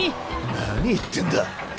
何言ってんだ？